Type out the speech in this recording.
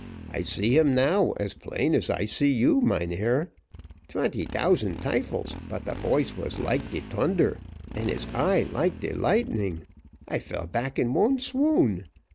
I see him now, as plain as I see you, mynheer. Twenty tousand tyfels, but the voice was like de tunder and his eye like de lightning I fell back in one swoon.